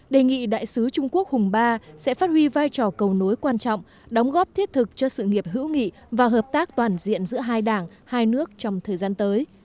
đề nghị đại sứ trung quốc hùng ba sẽ phát huy vai trò cầu nối quan trọng đóng góp thiết thực cho sự nghiệp hữu nghị và hợp tác toàn diện giữa hai đảng hai nước trong thời gian tới